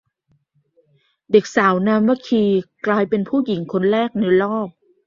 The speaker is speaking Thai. เด็กสาวนามว่า คี กลายเป็นผู้หญิงคนแรกในรอบ